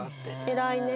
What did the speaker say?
偉いね。